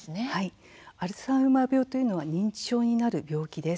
アルツハイマー病というのは認知症になる病気です。